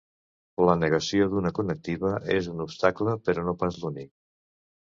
La negació d'una connectiva és un obstacle, però no pas l'únic.